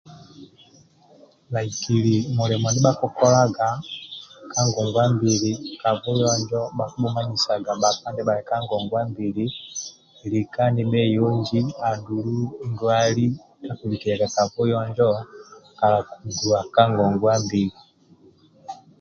Bhaikiki mulimo ndia bhakikolaga ka ngongwa mbili ka buyonjo bhakibhumanyisaga bhakpa lika nibheyonji andulu ndwali ndia akibikiliaga ka buyonjo kala kiguwa ka ngongwa mbili